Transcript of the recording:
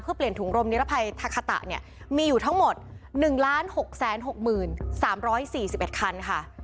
เพื่อเปลี่ยนถุงรมนิรภัยทาคาตะเนี่ยมีอยู่ทั้งหมด๑๖๖๓๔๑คันค่ะ